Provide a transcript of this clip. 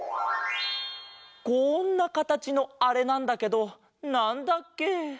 こんなかたちのあれなんだけどなんだっけ？